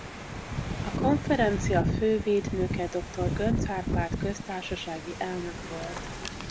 A konferencia fővédnöke dr. Göncz Árpád köztársasági elnök volt.